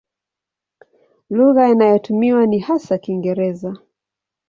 Lugha inayotumiwa ni hasa Kiingereza.